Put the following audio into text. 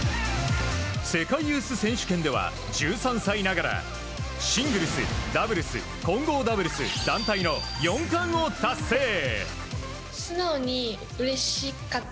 世界ユース選手権では１３歳ながらシングルス、ダブルス混合ダブルス、団体の４冠を達成。